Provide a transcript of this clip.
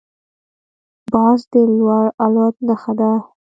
باز د لوړ الوت نښه ده